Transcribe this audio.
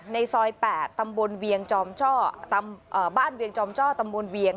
ในซอย๘บ้านเวียงจอมเจ้าตำรวจเวียง